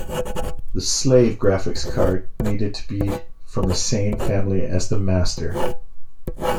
The "slave" graphics card needed to be from the same family as the "master".